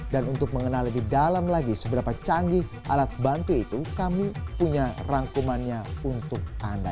dan untuk mengenal lebih dalam lagi seberapa canggih alat bantu itu kami punya rangkumannya untuk anda